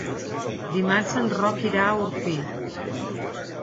Dimarts en Roc irà a Orpí.